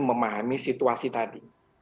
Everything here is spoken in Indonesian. memahami situasi tadi